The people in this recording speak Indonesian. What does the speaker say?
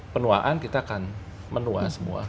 penuaan kita akan menua semua